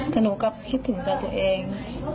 แต่หนูกลับคิดถึงกับตัวเอง